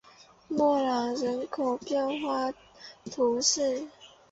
莫朗人口变化图示